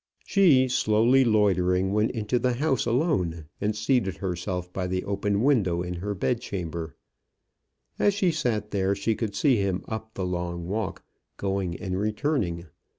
She, slowly loitering, went into the house alone, and seated herself by the open window in her bed chamber. As she sat there she could see him up the long walk, going and returning.